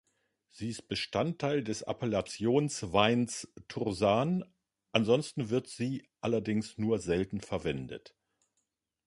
Sie ist Bestandteil des Appellations-Weins Tursan, ansonsten wird sie allerdings nur selten verwendet.